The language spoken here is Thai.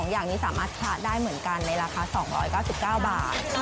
อย่างนี้สามารถชะได้เหมือนกันในราคา๒๙๙บาท